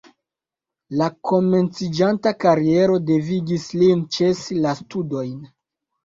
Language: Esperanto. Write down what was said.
La komenciĝanta kariero devigis lin ĉesi la studojn.